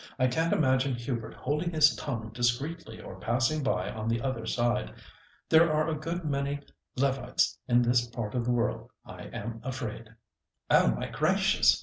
"I can't imagine Hubert holding his tongue discreetly or passing by on the other side. There are a good many Levites in this part of the world, I am afraid." "Oh, my gracious!"